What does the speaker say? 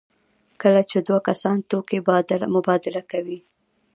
کله چې دوه کسان توکي مبادله کوي.